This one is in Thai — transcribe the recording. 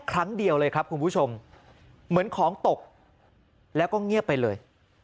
ครั้งเดียวเลยครับคุณผู้ชมเหมือนของตกแล้วก็เงียบไปเลย